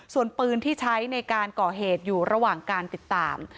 ส่วนปืนที่ใช้ในการก่อเหตุอยู่ระหว่างการติดตาม